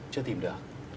chưa tìm được